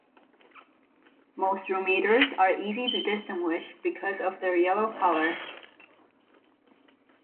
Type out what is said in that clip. Most Dromaders are easy to distinguish because of their yellow color.